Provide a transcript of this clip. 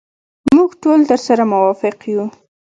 موږ ټول درسره موافق یو.